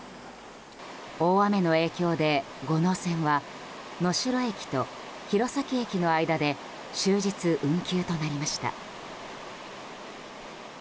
大雨の影響で五能線は能代駅と弘前駅の間で終日運休となりました。